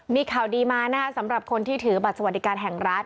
มีข่าวดีมานะคะสำหรับคนที่ถือบัตรสวัสดิการแห่งรัฐ